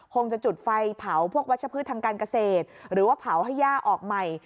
จะจุดไฟเผาพวกวัชพืชทางการเกษตรหรือว่าเผาให้ย่าออกใหม่